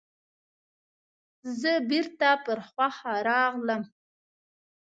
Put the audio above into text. زه بیرته پر هوښ راغلم.